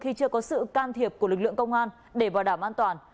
khi chưa có sự can thiệp của lực lượng công an để bảo đảm an toàn